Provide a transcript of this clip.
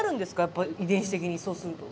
やっぱ遺伝子的にそうすると。